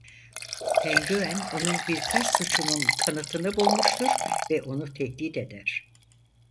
Penguen onun birkaç suçunun kanıtını bulmuştur ve onu tehdit eder.